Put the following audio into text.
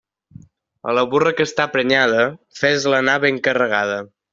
A la burra que està prenyada, fes-la anar ben carregada.